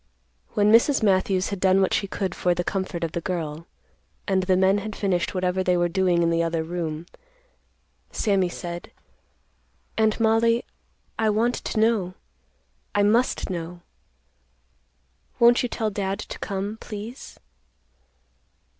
When Mrs. Matthews had done what she could for the comfort of the girl, and the men had finished whatever they were doing in the other room, Sammy said, "Aunt Mollie, I want to know. I must know. Won't you tell Dad to come, please?"